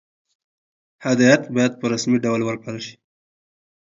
هدایت باید په رسمي ډول ورکړل شي.